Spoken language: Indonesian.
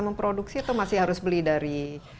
memproduksi atau masih harus beli dari